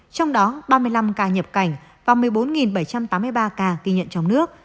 trong đó ba mươi năm ca nhập cảnh và một mươi bốn bảy trăm tám mươi ba ca ghi nhận trong nước